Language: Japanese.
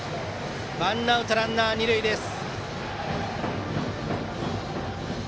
ワンアウトランナー、二塁です。